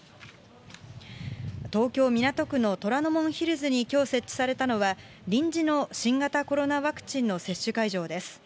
東京・港区の虎ノ門ヒルズにきょう設置されたのは、臨時の新型コロナワクチンの接種会場です。